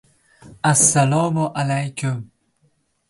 — ana o‘sha yerda umr kechiradi!